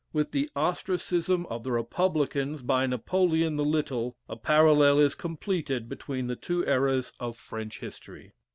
With the ostracism of the Republicans by Napoleon the Little, a Parallel is completed between the two eras of French history.